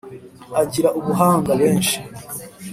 agira ubuhanga benshi